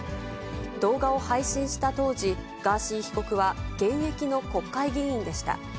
動画を配信した当時、ガーシー被告は、現役の国会議員でした。